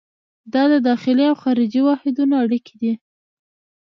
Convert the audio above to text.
دا د داخلي او خارجي واحدونو اړیکې دي.